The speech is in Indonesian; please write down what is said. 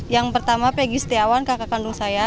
yang pertama peggy setiawan kakak kandung saya